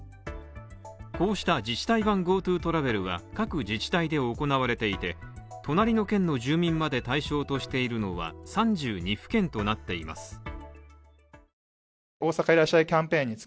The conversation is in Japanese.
こうした自治体版ＧｏＴｏトラベルは、各自治体で行われていて、隣の県の住民まで対象としているのは３２府県となっています。